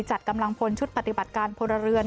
จัดกำลังพลชุดปฏิบัติการพลเรือน